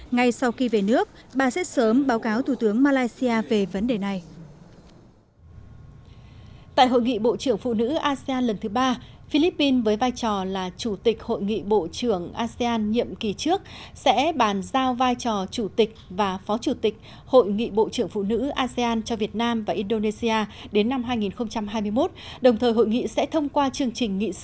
ngay sau khi về nước bà sẽ sớm báo cáo thủ tướng malaysia về vấn đề này